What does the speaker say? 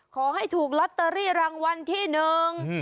ขอให้ถูกลอตเตอรี่รางวัลที่หนึ่ง